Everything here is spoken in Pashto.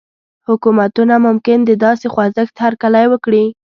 حکومتونه ممکن د داسې خوځښت هرکلی وکړي.